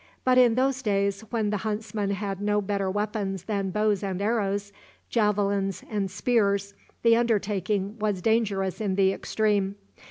But in those days, when the huntsman had no better weapons than bows and arrows, javelins, and spears, the undertaking was dangerous in the extreme.